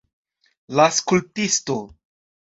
La skulptisto.